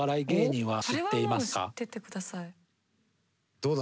どうだ？